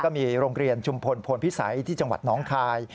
มีโรงเรียนชุมพลพลพิสัยที่จังหวัดน้องคาย